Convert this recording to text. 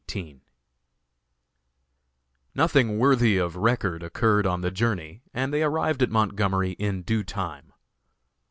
_ Nothing worthy of record occurred on the journey and they arrived at Montgomery in due time.